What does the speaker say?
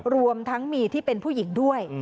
รวมทั้งมีที่เป็นผู้หญิงด้วย